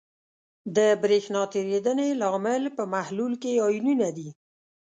د برېښنا تیریدنې لامل په محلول کې آیونونه دي.